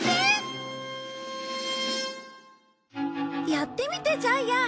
やってみてジャイアン。